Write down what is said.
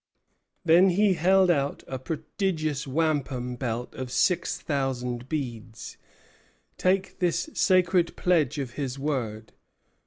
Then he held out a prodigious wampum belt of six thousand beads: "Take this sacred pledge of his word.